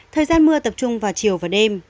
thời gian mưa tập trung vào chiều và đêm